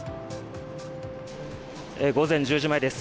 午前１０時前です。